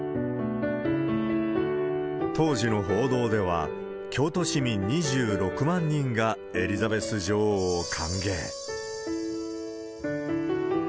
当時の報道では、京都市民２６万人がエリザベス女王を歓迎。